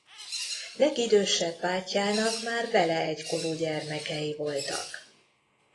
Legidősebb bátyjának már vele egykorú gyermekei voltak.